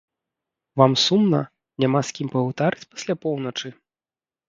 Вам сумна, няма з кім пагутарыць пасля поўначы?